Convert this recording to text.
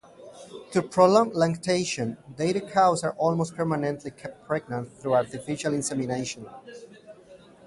To prolong lactation, dairy cows are almost permanently kept pregnant through artificial insemination.